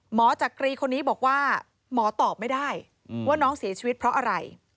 จักรีคนนี้บอกว่าหมอตอบไม่ได้ว่าน้องเสียชีวิตเพราะอะไร